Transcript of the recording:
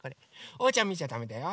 おうちゃんみちゃだめだよ。